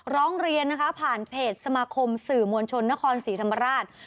ร้องเรียนนะคะผ่านเพจสมาคมสื่อมวลชนนครศรีธรรมราช